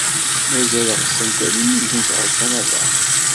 Mazal ɣsent ad inigent ɣer Kanada?